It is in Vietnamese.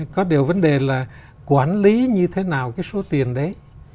có điều vấn đề là quản lý như thế nào cái số tiền đấy